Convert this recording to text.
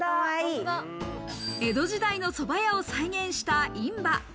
江戸時代の蕎麦屋を再現した、いんば。